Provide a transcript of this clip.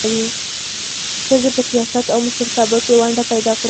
ښځې په سیاست او مشرتابه کې ونډه پیدا کړه.